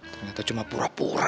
ternyata cuma pura pura